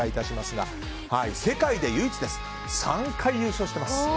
世界で唯一、３回優勝しています。